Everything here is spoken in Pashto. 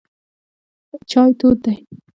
چای تود دی.